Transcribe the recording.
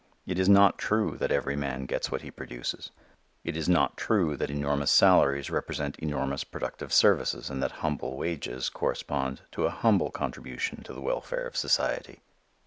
It is not true that every man gets what he produces. It is not true that enormous salaries represent enormous productive services and that humble wages correspond to a humble contribution to the welfare of society.